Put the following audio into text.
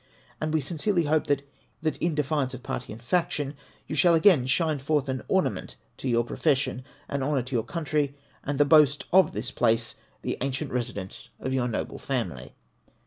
And we sincerely hope that in defiance of party and faction, you shall again shine forth an ornament to your profession, an honour to your country, and the boast of this place, the ancient residence of your noble family.